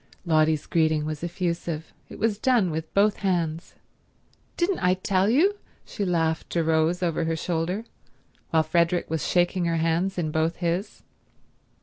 Lotty's greeting was effusive. It was done with both hands. "Didn't I tell you?" she laughed to Rose over her shoulder while Frederick was shaking her hands in both his.